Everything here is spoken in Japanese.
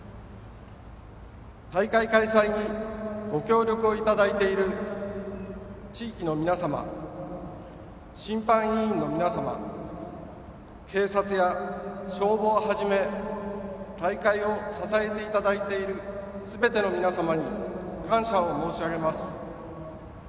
大会開催にご協力をいただいている地域の皆様、審判委員の皆様警察や消防を始め大会を支えていただいているすべての皆様に感謝を申し上げます。